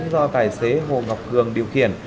do tài xế hồ ngọc hường điều khiển